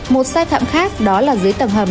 một sai phạm khác đó là dưới tầng hầm